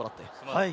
はい。